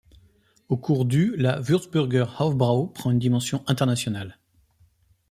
Au cours du la Würzburger Hofbräu prend une dimension internationale.